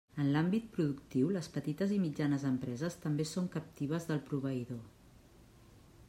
En l'àmbit productiu, les petites i mitjanes empreses també són captives del proveïdor.